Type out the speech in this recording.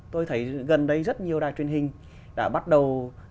tôi thấy gần đây rất nhiều đài truyền hình đã bắt đầu tìm đến những câu chuyện